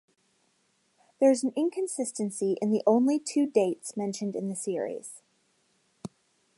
There is an inconsistency in the only two dates mentioned in the series.